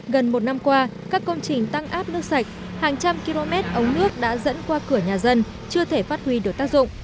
gần một năm qua các công trình tăng áp nước sạch hàng trăm km ống nước đã dẫn qua cửa nhà dân chưa thể phát huy được tác dụng